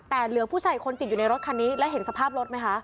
แต่เหลือผู้ชายอีกคนติดอยู่ในรถคันนี้แล้วเห็นสภาพรถไหมคะ